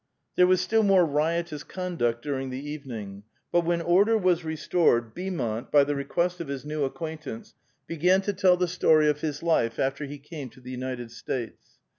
There was still more riotous conduct during the evening ; but when order was restored, Beaumont, by the request of his new acquaintance, began to tell the story of his life after he came to the United States.